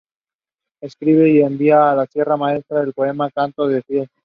Escribe y envía a la Sierra Maestra el poema "Canto a Fidel".